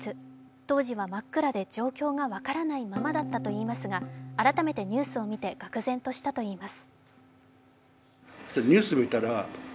当時は真っ暗で状況が分からないままだったといいますが改めてニュースを見てがく然したといいます。